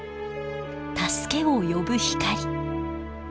助けを呼ぶ光。